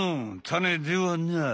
タネではない。